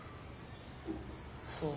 そう。